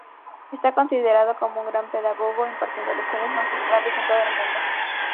Está considerado como un gran pedagogo, impartiendo lecciones magistrales en todo el mundo.